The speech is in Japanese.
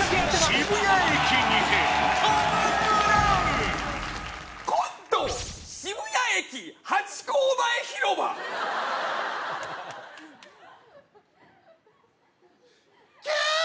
渋谷駅ハチ公前広場キャー！